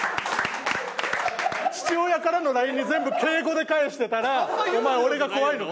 父親からのＬＩＮＥに全部敬語で返してたら「お前俺が怖いのか？」